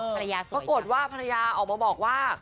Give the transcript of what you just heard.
ปรากฏว่าภรรยาออกมาบอกว่า